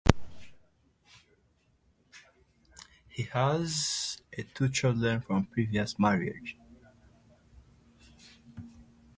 He has two children from a previous marriage.